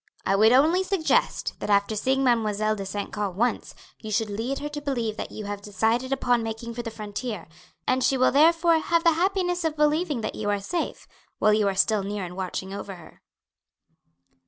"I would only suggest, that after seeing Mademoiselle de St. Caux once, you should lead her to believe that you have decided upon making for the frontier, and she will therefore have the happiness of believing that you are safe, while you are still near and watching over her."